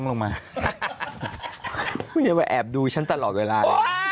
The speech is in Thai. ก็จะไปแอบดูฉันตลอดเวลา